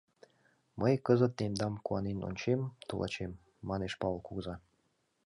Мый кызыт тендам куанен ончем, тулачем! — манеш Павыл кугыза.